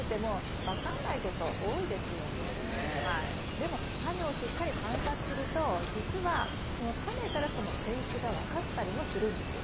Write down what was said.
でもタネをしっかり観察するとじつはそのタネからその性質が分かったりもするんですよ。